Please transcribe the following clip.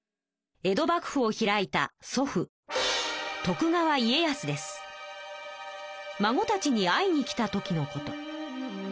江戸幕府を開いた祖父孫たちに会いに来た時のこと。